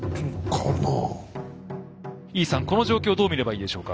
この状況どう見ればいいでしょうか？